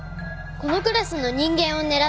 ・このクラスの人間を狙って。